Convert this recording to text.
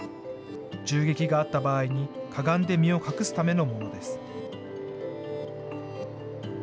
銃撃があった場合にかがんで身を隠すためのものです。